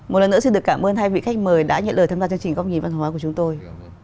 một lần nữa xin được cảm ơn hai vị khách mời đã nhận lời tham gia chương trình góc nhìn văn hóa của chúng tôi